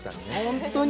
本当に。